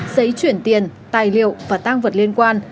giấy chuyển tiền tài liệu và tăng vật liên quan